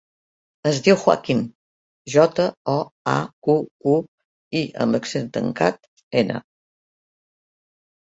Es diu Joaquín: jota, o, a, cu, u, i amb accent tancat, ena.